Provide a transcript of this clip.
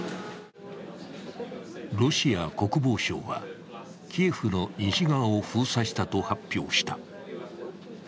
ロシア国防省はキエフの西側を封鎖したと発表した。